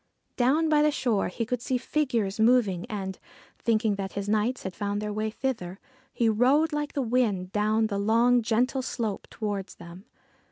Down by the shore he could see figures moving, and, thinking that his knights had found their way thither, he rode like the wind down the long, gentle slope towards them.